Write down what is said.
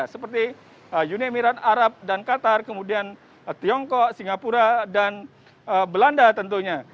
seperti uni emirat arab dan qatar kemudian tiongkok singapura dan belanda tentunya